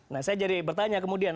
nah saya jadi bertanya kemudian